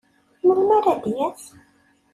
Melmi ara d-yas?